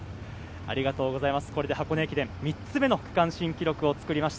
ありがとうございます。